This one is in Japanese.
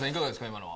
今のは。